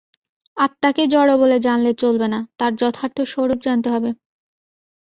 আত্মাকে জড় বলে জানলে চলবে না, তার যথার্থ স্বরূপ জানতে হবে।